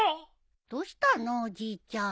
どうしたのおじいちゃん。